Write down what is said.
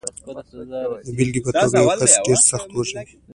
د بېلګې په توګه، یو کس ډېر سخت وږی دی.